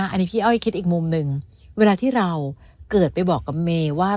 อันนี้พี่อ้อยคิดอีกมุมหนึ่งเวลาที่เราเกิดไปบอกกับเมย์ว่า